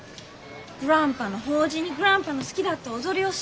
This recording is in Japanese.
グランパの法事にグランパの好きだった踊りをする。